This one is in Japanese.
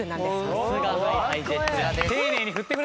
さすがＨｉＨｉＪｅｔｓ。